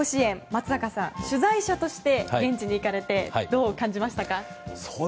松坂さんは取材者として現地に行かれてどう感じましたか？